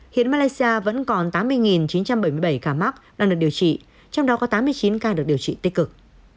hiện malaysia vẫn còn tám mươi chín trăm bảy mươi bảy ca mắc đang được điều trị trong đó có tám mươi chín ca được điều trị tích cực